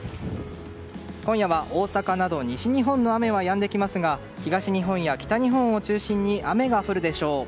今夜は大阪など西日本の雨はやんできますが東日本や北日本を中心に雨が降るでしょう。